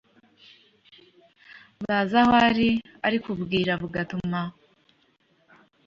Baza aho ari ariko ubwira bugatuma